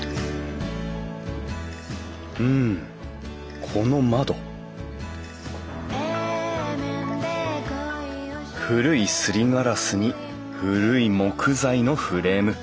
うんこの窓古いすりガラスに古い木材のフレーム。